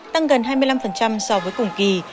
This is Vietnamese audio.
tăng gần hai mươi năm so với cùng kỳ